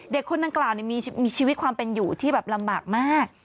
คนดังกล่าวมีชีวิตความเป็นอยู่ที่แบบลำบากมาก